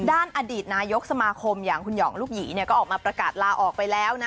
อดีตนายกสมาคมอย่างคุณหองลูกหยีเนี่ยก็ออกมาประกาศลาออกไปแล้วนะ